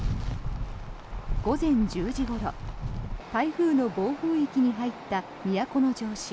午前１０時ごろ台風の暴風域に入った都城市。